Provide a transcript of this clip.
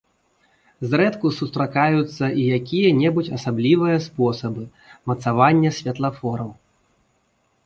Зрэдку сустракаюцца і якія-небудзь асаблівыя спосабы мацавання святлафораў.